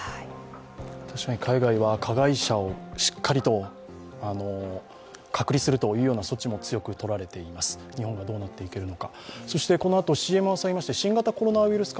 海外は加害者をしっかりと隔離するという措置も強くとられています、日本はどうなっていけるのか。